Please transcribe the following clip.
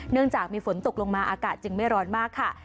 เนื่องจากมีฝนตกลงมาอากาศจึงไม่ร้อนมากค่ะ